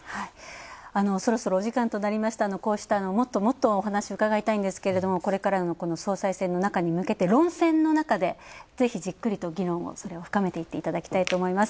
そろそろお時間となりましたが、もっともっとお話を伺いたいんですけどもこれからの総裁選に向けての論戦の中で、ぜひ、議論を深めていってほしいと思います。